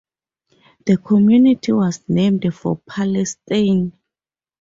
The community was named for Palestine.